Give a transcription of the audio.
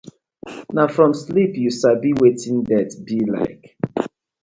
Na from sleep yu sabi wetin death bi like.